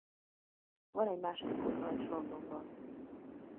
Van egy második otthona is Londonban.